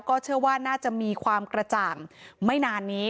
เชื่อว่าน่าจะมีความกระจ่างไม่นานนี้